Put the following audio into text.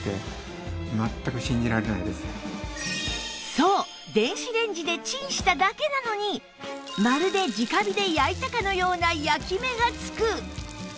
そう電子レンジでチンしただけなのにまるで直火で焼いたかのような焼き目がつく！